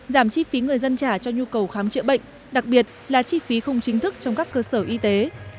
giảm chi phí người dân trả cho nhu cầu khám chữa bệnh đặc biệt là chi phí không chính thức trong các cơ sở y tế